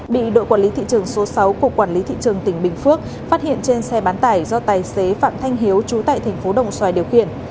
bị đội quản lý thị trường số sáu của quản lý thị trường tỉnh bình phước phát hiện trên xe bán tải do tài xế phạm thanh hiếu trú tại thành phố đồng xoài điều khiển